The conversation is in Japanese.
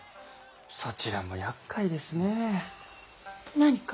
そちらもやっかいですねえ。何か？